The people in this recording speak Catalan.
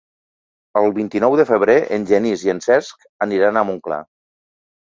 El vint-i-nou de febrer en Genís i en Cesc aniran a Montclar.